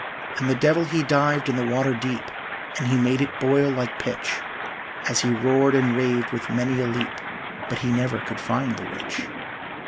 And the devil he dived in the water deep, And he made it boil like pitch As he roared and raved with many a leap, But he never could find the witch.